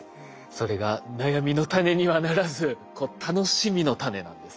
それが悩みの種にはならず楽しみの種なんですね。